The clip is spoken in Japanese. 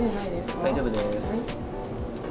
大丈夫です。